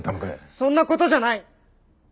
そんなことじゃない！